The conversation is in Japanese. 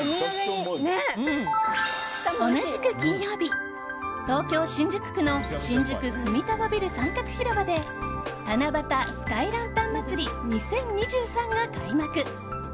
同じく金曜日、東京・新宿区の新宿住友ビル三角広場で七夕スカイランタン祭り２０２３が開幕。